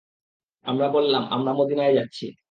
আমরা বললাম, আমরা মদীনায় যাচ্ছি।